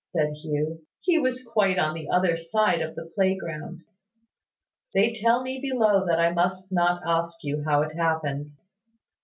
said Hugh. "He was quite on the other side of the playground." "They tell me below that I must not ask you how it happened."